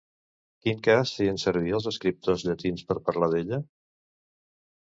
Quin cas feien servir els escriptors llatins per parlar d'ella?